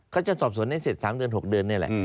เขาจะสอบส่วนให้เสร็จ๓๖เดือนนี่แหละ